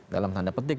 dalam tanda petik